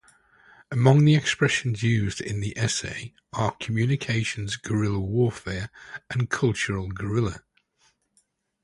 Among the expressions used in the essay are "communications guerrilla warfare" and "cultural guerrilla.